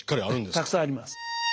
たくさんあります。